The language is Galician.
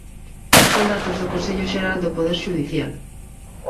Son datos do Consello Xeral do Poder Xudicial.